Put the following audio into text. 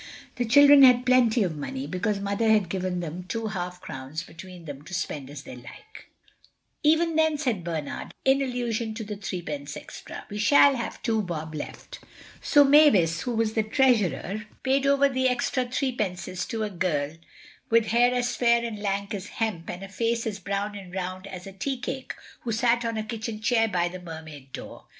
The children had plenty of money, because Mother had given them two half crowns between them to spend as they liked. "Even then," said Bernard, in allusion to the threepence extra, "we shall have two bob left." So Mavis, who was treasurer, paid over the extra threepences to a girl with hair as fair and lank as hemp, and a face as brown and round as a tea cake, who sat on a kitchen chair by the Mermaid door.